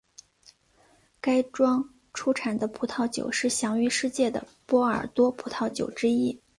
该庄出产的葡萄酒是享誉世界的波尔多葡萄酒之一。